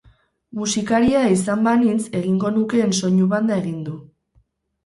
Musikaria izan banintz egingo nukeen soinu banda egin du.